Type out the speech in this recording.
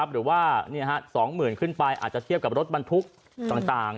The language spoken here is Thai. หรือว่า๒๐๐๐ขึ้นไปอาจจะเทียบกับรถบรรทุกต่าง